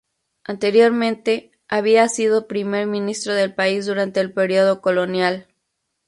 Anteriormente, había sido Primer ministro del país durante el período colonial.